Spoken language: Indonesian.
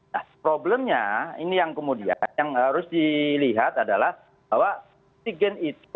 nah problemnya ini yang kemudian yang harus dilihat adalah bahwa oksigen itu